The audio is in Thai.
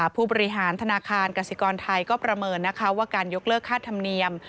ผู้บริหารธนาคารกสิกรไทยก็ประเมินนะคะว่าการยกเลิกค่าธรรมเนียม